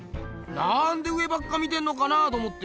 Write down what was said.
なんで上ばっか見てんのかなあと思ってよ。